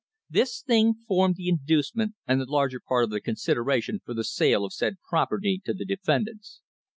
This thing formed the inducement and the larger part of the consideration for the sale of said property to defendants.